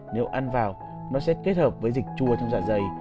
nếu ăn vào nó sẽ kết hợp với dịch chua trong dạ dày